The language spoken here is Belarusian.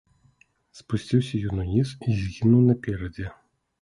Спусціўся ён уніз і згінуў наперадзе.